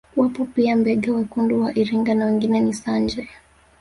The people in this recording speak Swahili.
Wapo pia Mbega wekundu wa Iringa na wengine ni Sanje